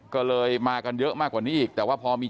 ก็เลยมากันเยอะมากกว่านี้อีก